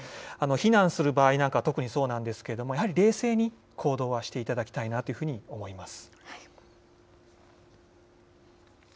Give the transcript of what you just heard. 避難する場合なんかは、特にそうなんですけれども、やはり冷静に行動はしていただきたいなというふうに思います。